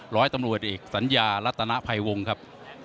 ร้อยตำรวจเอกสัญญารัตนภัยวงศ์ครับ